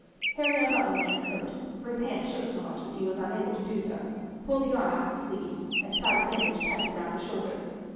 Harry unbuttoned the man's coat, for his hands shook so much that he was unable to do so, pulled the arm out of the sleeve, and tied the bandage tightly round the shoulder.